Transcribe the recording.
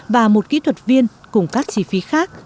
và một kỹ thuật viên cùng các chi phí khác